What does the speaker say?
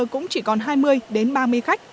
cũng chỉ còn hai mươi đến ba mươi khách